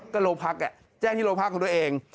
ก็โลพักษณ์แหละแจ้งที่โลพักษณ์ของตัวเอง